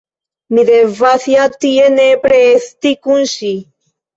Mi devas ja tie nepre esti kun ŝi.